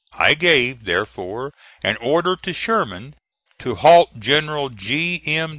I gave, therefore, an order to Sherman to halt General G. M.